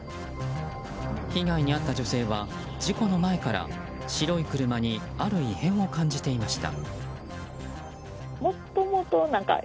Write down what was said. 被害に遭った女性は事故の前から白い車にある異変を感じていました。